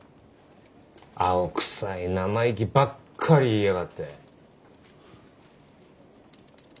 青臭い生意気ばっかり言いやがって。